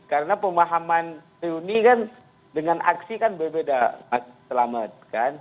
karena pemahaman reuni kan dengan aksi kan berbeda selama kan